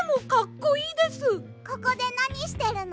ここでなにしてるの？